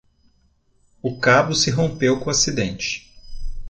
O cabo se rompeu com o acidente